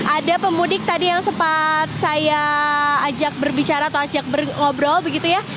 ada pemudik tadi yang sempat saya ajak berbicara atau ajak berobrol begitu ya